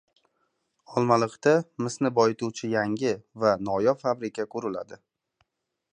Olmaliqda misni boyituvchi yangi va noyob fabrika quriladi.